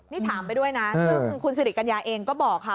นี่ถามไปด้วยนะซึ่งคุณสิริกัญญาเองก็บอกค่ะ